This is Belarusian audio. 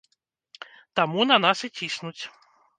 Таму на нас і ціснуць.